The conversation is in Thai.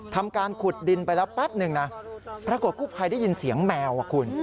ทำการขุดดินไปแล้วปั๊ปนึงแล้วก็ปรากฎกุพัยได้ยินเสียงแมว